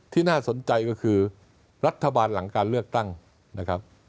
น่าสนใจก็คือรัฐบาลหลังการเลือกตั้งนะครับ